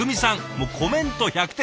もうコメント１００点。